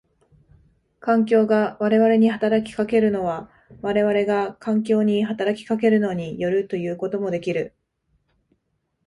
環境が我々に働きかけるのは我々が環境に働きかけるのに依るということもできる。